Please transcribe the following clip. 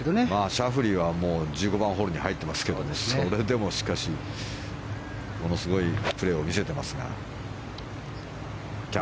シャフリーは１５番ホールに入っていますけどそれでもしかしものすごいプレーを見せていますが。